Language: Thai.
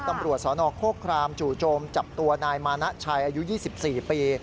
ตำรวจสนโครครามจู่โจมจับตัวนายมานะชัยอายุ๒๔ปี